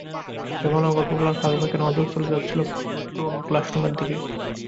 জমানো গল্প বলার ফাঁকে ফাঁকে নজর চলে যাচ্ছিল পুরোনো ক্লাস ুমের দিকে।